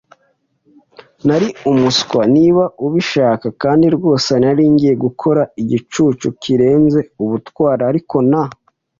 Nari umuswa, niba ubishaka, kandi rwose nari ngiye gukora igicucu, kirenze ubutwari; ariko na